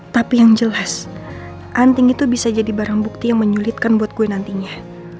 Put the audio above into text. tapi yang jelas anting itu bisa jadi barang bukti yang menyulitkan buat gue nantinya